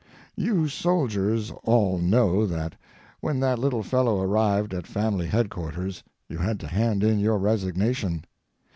You soldiers all know that when that little fellow arrived at family headquarters you had to hand in your resignation.